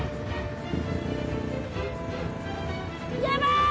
やばい！